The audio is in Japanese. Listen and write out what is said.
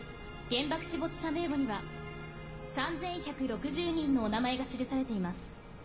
原爆死没者名簿には３１６０人のお名前が記されています。